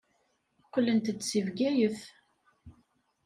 Qqlent-d seg Bgayet.